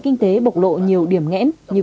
kinh tế bộc lộ nhiều điểm nghẽn như